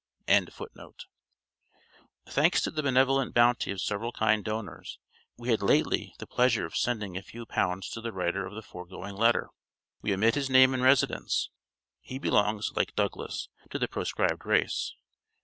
] Thanks to the benevolent bounty of several kind donors, we had lately the pleasure of sending a few pounds to the writer of the foregoing letter. We omit his name and residence. He belongs, like Douglass, to the proscribed race.